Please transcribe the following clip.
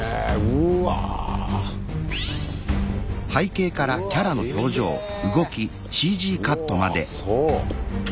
うわそう！